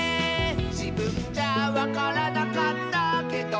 「じぶんじゃわからなかったけど」